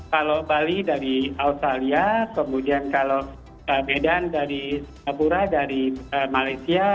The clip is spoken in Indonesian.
kalau bali dari australia kemudian kalau medan dari singapura dari malaysia